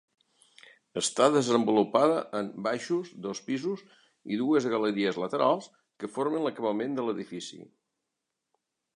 Està desenvolupada en baixos, dos pisos i dues galeries laterals que formen l'acabament de l'edifici.